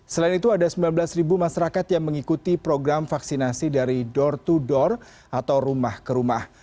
selain itu ada sembilan belas masyarakat yang mengikuti program vaksinasi dari door to door atau rumah ke rumah